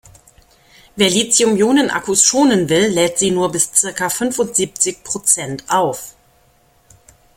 Wer Lithium-Ionen-Akkus schonen will, lädt sie nur bis circa fünfundsiebzig Prozent auf.